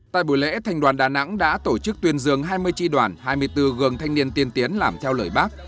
tại buổi lễ thành đoàn đà nẵng đã tổ chức tuyên dương hai mươi tri đoàn hai mươi bốn gương thanh niên tiên tiến làm theo lời bác